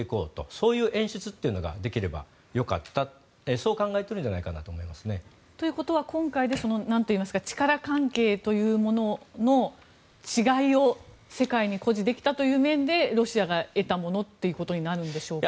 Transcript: そういう演出ができればよかったそう考えているんじゃないかなと思いますね。ということは今回で力関係というものの違いを世界に誇示できたという面でロシアが得たものということになるんでしょうか。